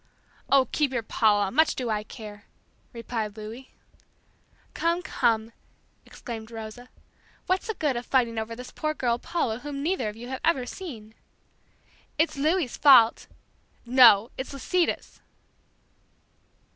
"Oh, keep your Paula, much do I care!" replied Louis. "Come, come," exclaimed Rosa, "what's the good of fighting over this poor girl Paula whom neither of you have ever seen!" "It's Louis' fault!" "No, it's Lisita's!"